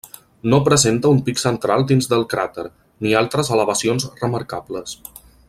No presenta un pic central dins del cràter, ni altres elevacions remarcables.